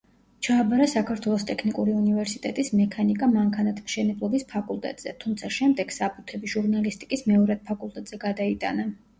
ჩააბარა საქართველოს ტექნიკური უნივერსიტეტის მექანიკა-მანქანათმშენებლობის ფაკულტეტზე, თუმცა შემდეგ საბუთები ჟურნალისტიკის მეორად ფაკულტეტზე გადაიტანა.